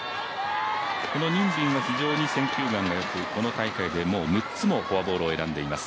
任敏は非常に選球眼がよくこの大会で６つのフォアボールを選んでいます。